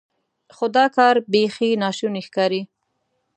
خو دا کار بیخي ناشونی ښکاري.